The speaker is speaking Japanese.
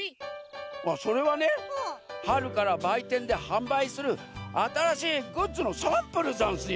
それはねはるからばいてんではんばいするあたらしいグッズのサンプルざんすよ。